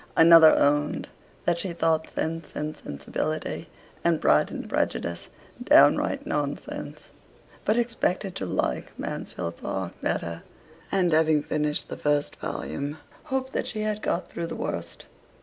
Another owned that she thought 'Sense and Sensibility' and 'Pride and Prejudice' downright nonsense; but expected to like 'Mansfield Park' better, and having finished the first volume, hoped that she had got through the worst.